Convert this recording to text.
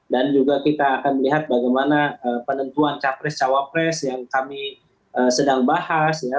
dan juga kita akan melihat bagaimana penentuan capres cawapres yang kami sedang bahas ya